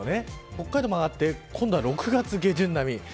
北海道も上がって今度は６月下旬並み。